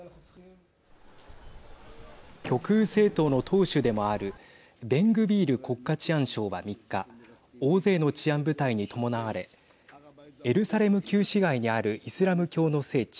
極右政党の党首でもあるベングビール国家治安相は３日大勢の治安部隊に伴われエルサレム旧市街にあるイスラム教の聖地